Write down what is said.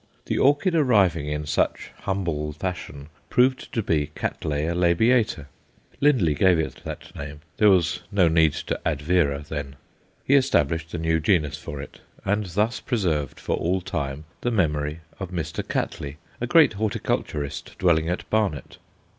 The orchid arriving in such humble fashion proved to be Cattleya labiata; Lindley gave it that name there was no need to add vera then. He established a new genus for it, and thus preserved for all time the memory of Mr. Cattley, a great horticulturist dwelling at Barnet.